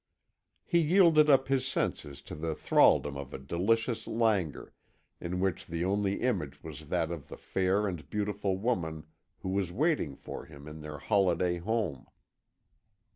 He yielded up his senses to the thralldom of a delicious languor, in which the only image was that of the fair and beautiful woman who was waiting for him in their holiday home.